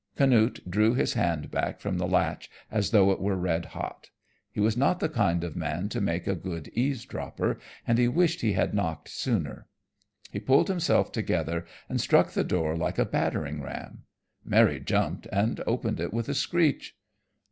Canute drew his hand back from the latch as though it were red hot. He was not the kind of a man to make a good eavesdropper, and he wished he had knocked sooner. He pulled himself together and struck the door like a battering ram. Mary jumped and opened it with a screech.